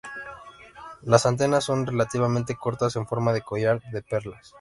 Las antenas son relativamente cortas, en forma de collar de perlas.